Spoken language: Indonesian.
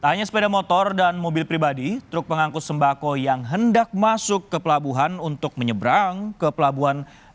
tak hanya sepeda motor dan mobil pribadi truk pengangkut sembako yang hendak masuk ke pelabuhan untuk menyeberang ke pelabuhan